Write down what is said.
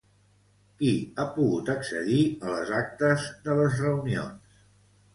Qui ha pogut accedir a les actes de les reunions?